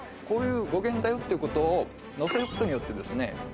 こういう語源だよっていうことを載せることによってですね